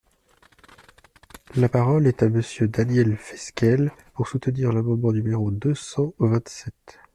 La parole est à Monsieur Daniel Fasquelle, pour soutenir l’amendement numéro deux cent vingt-sept.